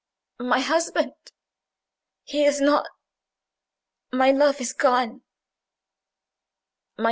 "My husband... he is not... my love is gone!"